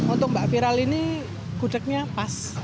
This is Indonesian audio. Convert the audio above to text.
untuk mbak viral ini gudegnya pas